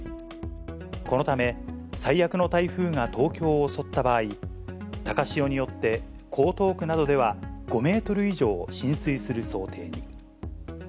このため、最悪の台風が東京を襲った場合、高潮によって江東区などでは５メートル以上浸水する想定に。